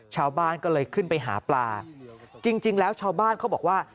ชาวบ้านก็เลยขึ้นไปหาปลาจริงแล้วชาวบ้านเขาบอกว่า